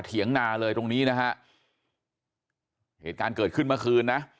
เถียงนาเลยตรงนี้นะฮะเหตุการณ์เกิดขึ้นเมื่อคืนนะ